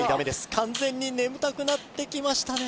完全に眠たくなってきましたね